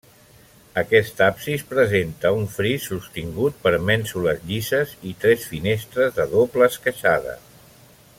Aquest absis presenta un fris sostingut per mènsules llises i tres finestres de doble esqueixada.